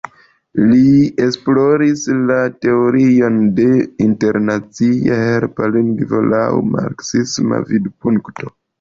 Li esploris la teorion de internacia helpa lingvo laŭ marksisma vidpunkto.